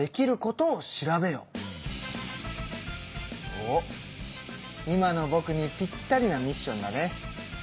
おっ今のぼくにぴったりなミッションだね。